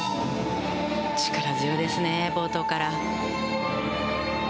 力強いですね冒頭から。